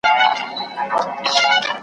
¬ نور ئې نور، عثمان ته لا هم غورځېدى.